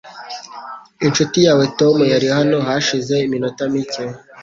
Inshuti yawe Tom yari hano hashize iminota mike.